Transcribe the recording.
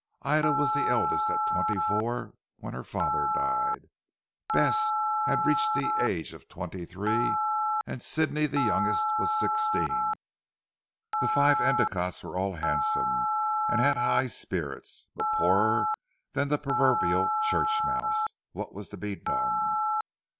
Ida the eldest was twenty four when her father died; Bess, had reached the age of twenty three; and Sidney the youngest, was sixteen. The five Endicottes were all handsome, and had high spirits; but poorer than the proverbial church mouse. What was to be done?